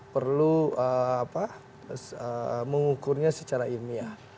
perlu mengukurnya secara ilmiah